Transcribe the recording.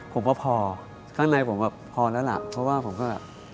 ผมว่าพอข้างในผมแบบพอแล้วล่ะเพราะว่าผมก็